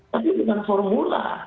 tapi bukan formula